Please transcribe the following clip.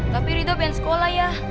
tapi rito pengen sekolah ya